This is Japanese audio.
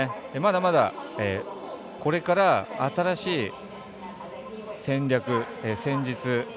まだまだこれから新しい戦略、戦術。